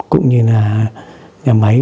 cũng như là nhà máy